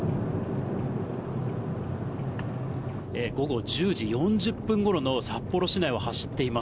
午後１０時４０分ごろの札幌市内を走っています。